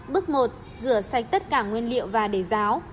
bước một rửa sạch tất cả nguyên liệu và để ráo